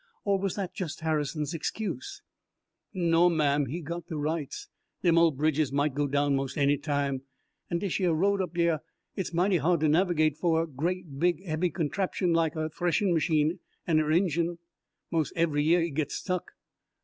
"Or was that just Harrison's excuse?" "No, ma'am; he's got de rights. Dem ole bridges might go down mos' any time. An' dishyer road up yere, it mighty hard to navigate foh er grea' big hebby contraption lak er threshin' machine en er engine. Mos' eve'y year he gits stuck.